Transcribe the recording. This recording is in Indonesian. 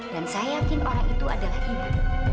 dan saya yakin orang itu adalah ina